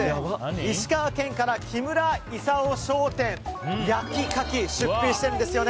石川県から木村功商店焼きかきを出品しているんです。